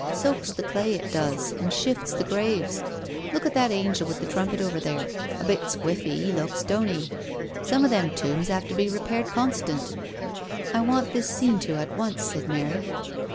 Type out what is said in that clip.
Soaks the clay, it does, and shifts the graves. Look at that angel with the trumpet over there. A bit squiffy, he looks, don't 'e ? Some of them tombs 'ave to be repaired constant." " I want this seen to at once," said Mary.